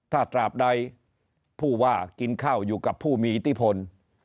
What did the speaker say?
ถ้าตราบใดผู้ว่ากินข้าวอยู่กับผู้มีอิทธิพล